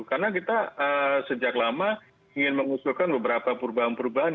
karena kita sejak lama ingin mengusulkan beberapa perubahan perubahan